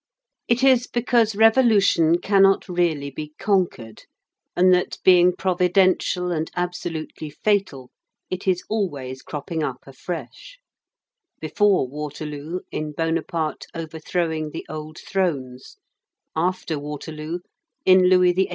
It is because revolution cannot be really conquered, and that being providential and absolutely fatal, it is always cropping up afresh: before Waterloo, in Bonaparte overthrowing the old thrones; after Waterloo, in Louis XVIII.